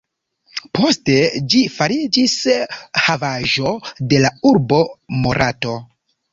Poste ĝi fariĝis havaĵo de la urbo Morato.